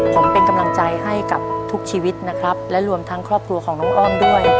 ผมเป็นกำลังใจให้กับทุกชีวิตนะครับและรวมทั้งครอบครัวของน้องอ้อมด้วย